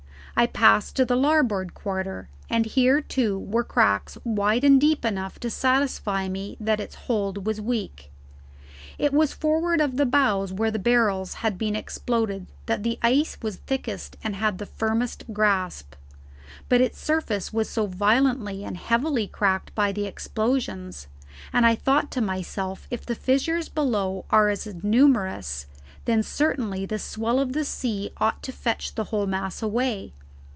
I passed to the larboard quarter, and here too were cracks wide and deep enough to satisfy me that its hold was weak. It was forward of the bows where the barrels had been exploded that the ice was thickest and had the firmest grasp; but its surface was violently and heavily cracked by the explosions, and I thought to myself if the fissures below are as numerous, then certainly the swell of the sea ought to fetch the whole mass away.